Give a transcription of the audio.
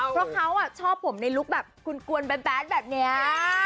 เพราะเขาชอบผมในลูกแบบกุนกลวนแบบแบ๊ดแบบเนี้ย